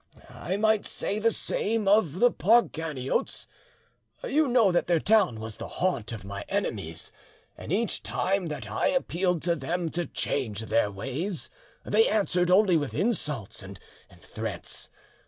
"I might say the same of the Parganiotes. You know that their town was the haunt of my enemies, and each time that I appealed to them to change their ways they answered only with insults and threats.